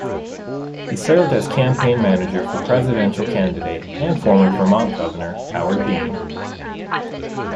He served as campaign manager for presidential candidate and former Vermont governor Howard Dean.